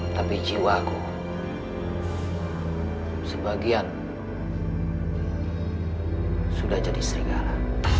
tapi jiwaku sebagian sudah jadi serigala